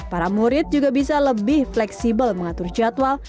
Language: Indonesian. para murid juga bisa lebih fleksibel mengatur jadwal